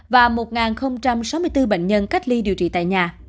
và một sáu mươi bốn bệnh nhân cách ly điều trị tại nhà